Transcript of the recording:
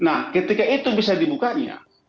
nah ketika itu bisa dibukanya